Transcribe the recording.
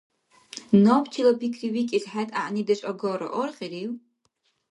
Набчила пикривикӀес хӀед гӀягӀнидеш агара, аргъирив?